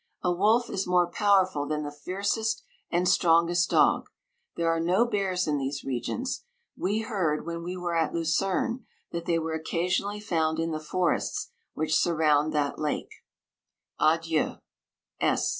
A wolf is more powerful than the fiercest and strongest dog. There are no bears in these regions. We heard, when we were at Lucerne, that they were occasionally found in the forests which surround that lake. Adieu.